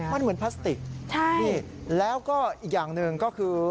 มันเหมือนพลาสติกแล้วก็อีกอย่างหนึ่งก็คือ